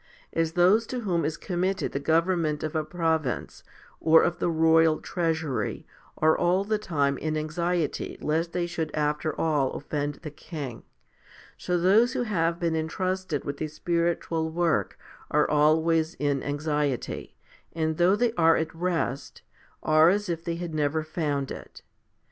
As those to whom is committed the government of a province or of the royal treasury are all the time in anxiety lest they should after all offend the king, so those who have been entrusted with a spiritual work are always in anxiety, and though they are at rest, are as if they had never found it.